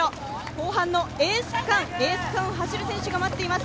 後半のエース区間を走る選手が待っています。